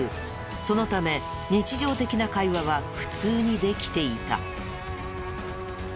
そのため日常的な会話は普通にできていた。